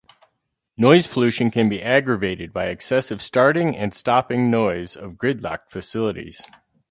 Noise pollution can be aggravated by excessive starting and stopping noise of gridlocked facilities.